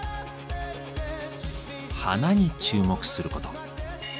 「花」に注目すること。